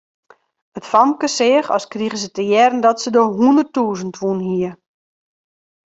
It famke seach as krige se te hearren dat se de hûnderttûzen wûn hie.